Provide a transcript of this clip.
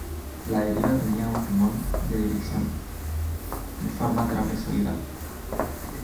La deriva tenía un timón de dirección, de forma trapezoidal.